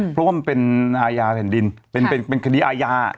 เพราะว่ามันเป็นอาญาแผ่นดินเป็นคดีอาญา